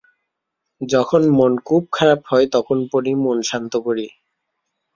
যখন মন খুব খারাপ হয় তখন পড়ি-মন শান্ত করি।